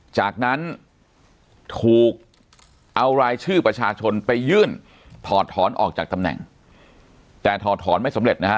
จากนั้นถูกเอารายชื่อประชาชนไปยื่นถอดถอนออกจากตำแหน่งแต่ถอดถอนไม่สำเร็จนะฮะ